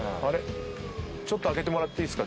ちょっと開けてもらっていいですか？